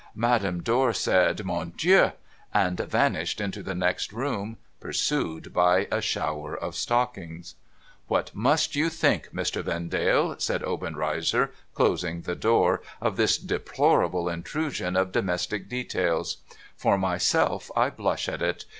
Madame Dor said, ' Mon Dieu,' and vanished into the next room, pursued by a shower of stockings. 'What mirst you think, Mr. Vendale,' said Obenreizer, closing the door, ' of this deplorable intrusion of domestic details ? For myself, I blush at it.